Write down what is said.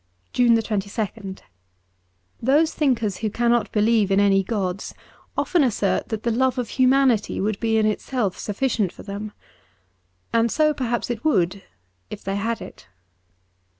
'' 190 JUNE 22rxd THOSE thinkers who cannot believe in any gods often assert that the love of humanity would be in itself sufficient for them ; and so, perhaps, it would, if they had it.